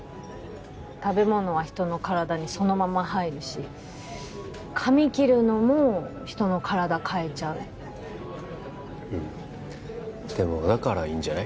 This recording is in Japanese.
食べ物は人の体にそのまま入るし髪切るのも人の体変えちゃううんでもだからいいんじゃない？